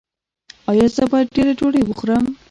ایا زه باید ډیره ډوډۍ وخورم؟